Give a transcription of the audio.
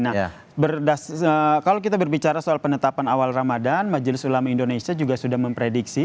nah kalau kita berbicara soal penetapan awal ramadan majelis ulama indonesia juga sudah memprediksi